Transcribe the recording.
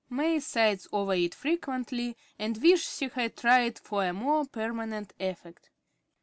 May sighs over it frequently, and wishes she had tried for a more permanent effect.